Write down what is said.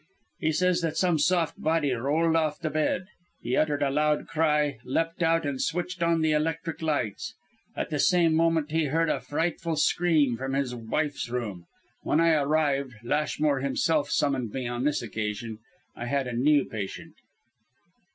He says that some soft body rolled off the bed. He uttered a loud cry, leapt out and switched on the electric lights. At the same moment he heard a frightful scream from his wife's room. When I arrived Lashmore himself summoned me on this occasion I had a new patient."